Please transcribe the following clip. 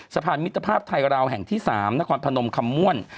สะพานมิตรภาพไทยราวแห่งที่๓นครพนมคำม่วน